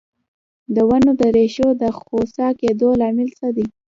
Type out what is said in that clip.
د ونو د ریښو د خوسا کیدو لامل څه دی؟